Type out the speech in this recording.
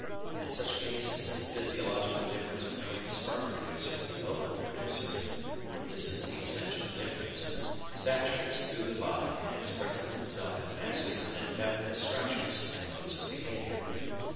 In such cases the physiological difference between the sperm producer and the ovum producer, for this is the essential difference, saturates through the body and expresses itself in masculine and feminine structures and modes of behaviour.